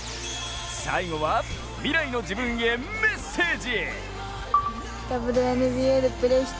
最後は、未来の自分へメッセージ！